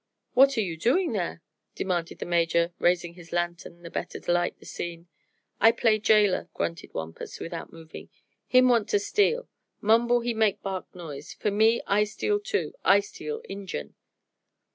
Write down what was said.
"What are you doing there?" demanded the Major, raising his lantern the better to light the scene. "I play jailer," grunted Wampus, without moving. "Him want to steal; Mumble he make bark noise; for me, I steal too I steal Injun."